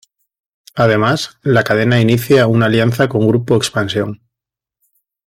Además, la cadena inicia una alianza con Grupo Expansión.